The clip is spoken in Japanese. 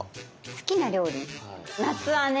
好きな料理夏はね